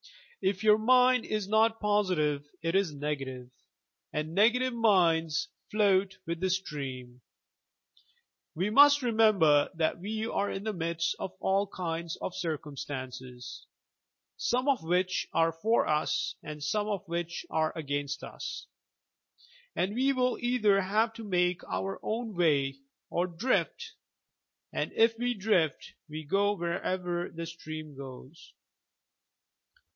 If your mind is not positive it is negative, and negative minds float with the stream. We must remember that we are in the midst of all kinds of circumstances, some of which are for us and some of which are against ua, and we will either have to make our own way, or drift, and if we drift we go wherever the stream goes.